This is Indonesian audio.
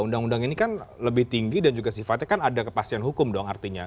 undang undang ini kan lebih tinggi dan juga sifatnya kan ada kepastian hukum dong artinya